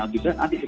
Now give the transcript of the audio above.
antik ke pengadilan